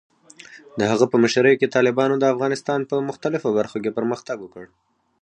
د هغه په مشرۍ کې، طالبانو د افغانستان په مختلفو برخو کې پرمختګ وکړ.